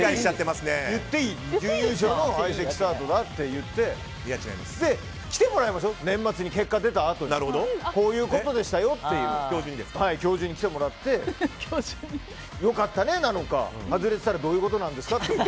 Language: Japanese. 準優勝の相席スタートだと言って来てもらいましょう、年末に結果出たあとにこういうことでしたよって教授に来てもらって良かったねなのか、外れていたらどういうことなんですかと。